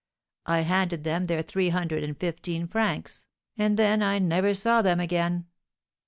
I handed them their three hundred and fifteen francs, and then I never saw them again."